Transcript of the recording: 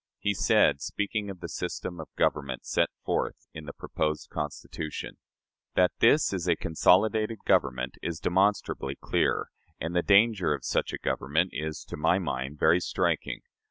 He said, speaking of the system of government set forth in the proposed Constitution: "That this is a consolidated government is demonstrably clear; and the danger of such a government is, to my mind, very striking.